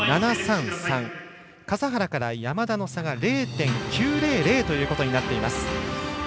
笠原から山田の差が０．９００ということになっています。